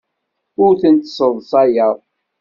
Ur tent-sseḍsayeɣ.